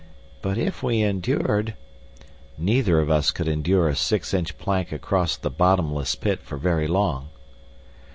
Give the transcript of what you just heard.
But if we endured—" "Neither of us could endure a six inch plank across the bottomless pit for very long."